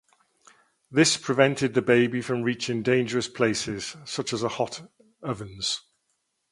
This prevented the baby from reaching dangerous places, such as hot ovens.